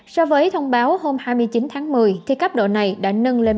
so với thông báo hôm hai mươi chín tháng một mươi thì cấp độ này đã nâng lên